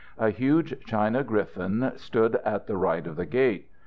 A huge china griffon stood at the right of the gate.